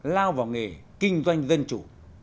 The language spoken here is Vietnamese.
lao vào nghề kinh doanh dân chủ